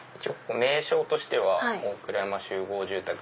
名称としては大倉山集合住宅。